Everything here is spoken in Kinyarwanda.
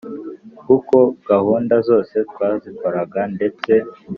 kuko gahunda zose twazikoraga ndetse